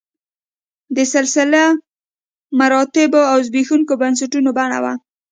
د سلسله مراتبو او زبېښونکو بنسټونو بڼه وه